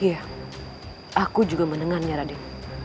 iya aku juga mendengarnya raden